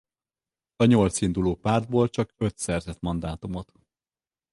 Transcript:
A nyolc induló pártból csak öt szerzett mandátumot.